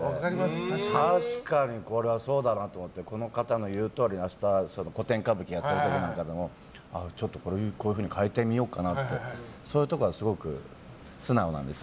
確かに、これはそうだなと思ってこの方の言うとおり明日、古典歌舞伎やってる時もちょっとこういうふうに踊り変えてみようかなとかそういうところはすごく素直なんですよ。